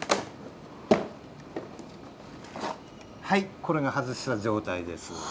はいこれが外した状態です。